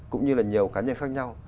cũng như là nhiều cá nhân khác nhau